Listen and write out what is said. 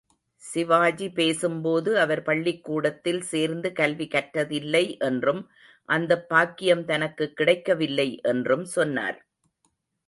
சிவாஜி பேசும்போது அவர் பள்ளிக்கூடத்தில் சேர்ந்து கல்வி கற்றதில்லை என்றும் அந்தப் பாக்யம் தனக்குக் கிடைக்கவில்லை என்றும் சொன்னார்.